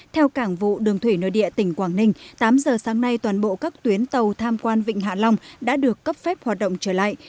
theo cảng vụ đường thủy nơi địa tỉnh quảng ninh tám giờ sáng nay toàn bộ các tuyến tàu tham quan vịnh hạ long đã được cấp phép hoạt động trở lại